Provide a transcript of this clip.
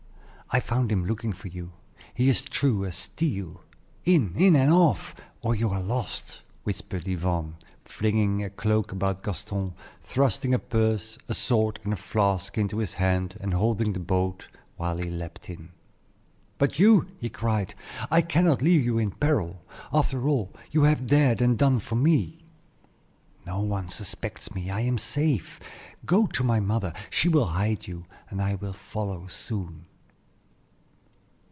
I found him looking for you. He is true as steel. In, in, and off, or you are lost!" whispered Yvonne, flinging a cloak about Gaston, thrusting a purse, a sword, and a flask into his hand, and holding the boat while he leaped in. "But you?" he cried; "I cannot leave you in peril, after all you have dared and done for me." "No one suspects me; I am safe. Go to my mother; she will hide you, and I will follow soon."